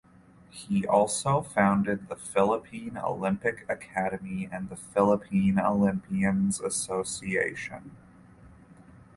He also founded the Philippine Olympic Academy and the Philippine Olympians Association.